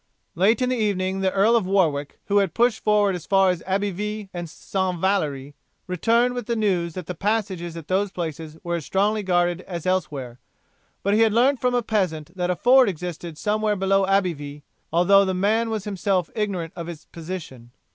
Late in the evening the Earl of Warwick, who had pushed forward as far as Abbeville and St. Valery, returned with the news that the passages at those places were as strongly guarded as elsewhere, but he had learnt from a peasant that a ford existed somewhere below Abbeville, although the man was himself ignorant of its position.